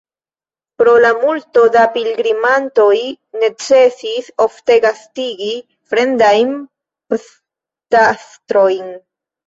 Pro la multo da pilgrimantoj necesis ofte gastigi fremdajn pstastrojn.